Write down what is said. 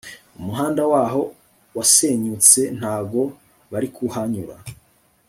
umuhanda waho wasenyutse ntago barikuhanyura